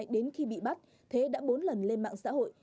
đến khi bị bắt thế đã bốn lần lên mạng xã hội